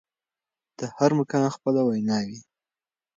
د هر مقام خپله وينا وي.